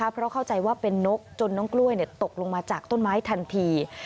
เพราะเข้าใจว่าเป็นนกจนน้องกล้วยตกลงมาจากต้นไม้ทันที